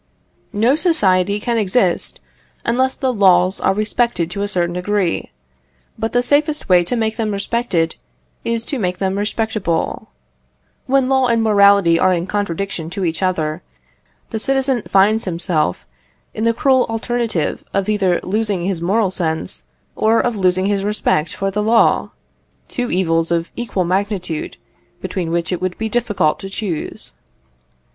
No society can exist unless the laws are respected to a certain degree, but the safest way to make them respected is to make them respectable. When law and morality are in contradiction to each other, the citizen finds himself in the cruel alternative of either losing his moral sense, or of losing his respect for the law two evils of equal magnitude, between which it would be difficult to choose.